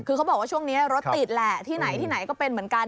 คือเขาบอกว่าช่วงนี้รถติดแหละที่ไหนที่ไหนก็เป็นเหมือนกัน